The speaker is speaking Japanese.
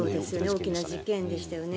大きな事件でしたよね。